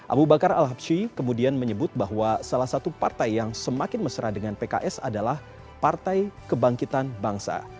abu bakar al habshi kemudian menyebut bahwa salah satu partai yang semakin mesra dengan pks adalah partai kebangkitan bangsa